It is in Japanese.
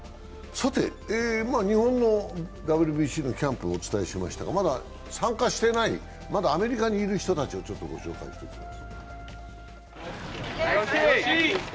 日本のＷＢＣのキャンプをお伝えしましたがまだ参加していない、まだアメリカにいる人たちを紹介します。